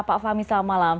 pak fahmi selamat malam